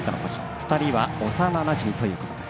２人は幼なじみということです。